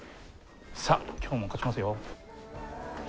さあ今日も勝ちますよ。